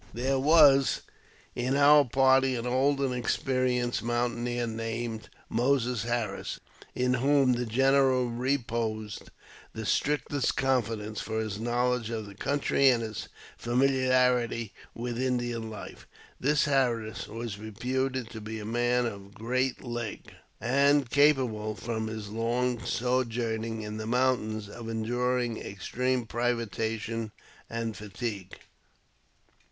There was in our party an old and experienced mountaineer, named Moses Harris, in whom the general reposed the strictest confidence for his knowledge of the country and his familiarity with Indian life. This Harris was reputed to be a man of " great leg," * and capable, from his long sojourning in the mountains, of enduring extreme privation and fatigae.